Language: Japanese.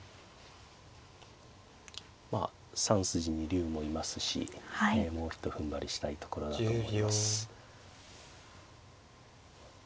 まあ３筋に竜もいますしもうひとふんばりしたいところだと思います。